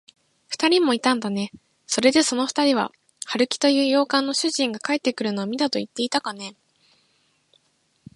ふたりもいたんだね。それで、そのふたりは、春木という洋館の主人が帰ってくるのを見たといっていたかね。